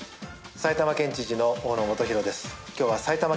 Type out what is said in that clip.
埼玉県知事の大野元裕です。